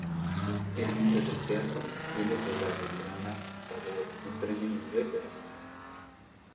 El nombre del teatro viene de Rabindranath Tagore, un Premio Nobel de la India.